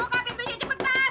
buka pintunya cepetan